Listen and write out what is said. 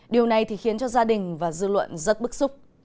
điều này thì khiến cho gia đình và dư luận rất bức xúc